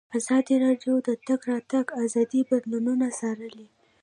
ازادي راډیو د د تګ راتګ ازادي بدلونونه څارلي.